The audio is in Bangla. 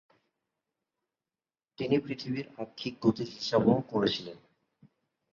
তিনি পৃথিবীর আক্ষিক গতির হিসাবও করেছিলেন।